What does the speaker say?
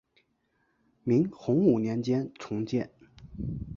明洪武年间重建。